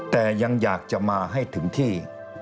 แต่ยังอยากจะมาให้ถึงที่